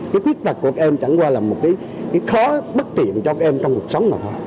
cái quyết tật của các em chẳng qua là một cái khó bất thiện cho các em trong cuộc sống nào thôi